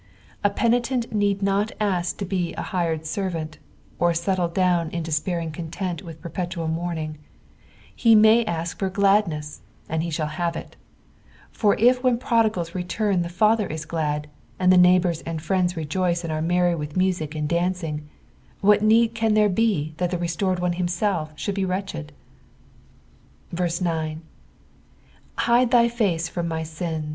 A penitent need not ask to be an hired servant, or settle down in deepairiug content with perpetual mourning ; he may ask for gladness and ho shall have it ; for if when prodigals return the futher is glad, and the neighbors and friends rejoice and are merry with music and dancing, what need can there be that the restored one himself sliould be wretched ? 9. '^ Hide thy face from my aim."